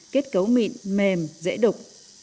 kết cấu mịn mềm dễ đục